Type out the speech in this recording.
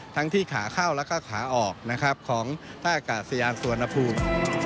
ทั้งที่ขาเข้าและขาออกของท่าอากาศยานสุวรรณภูมิ